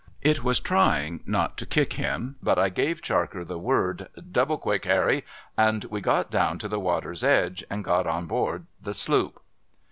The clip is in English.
It was trying not to kick him, but I gave Charker the word, ' Double quick, Harry !' and we got down to the water's edge, and got on board the sloop.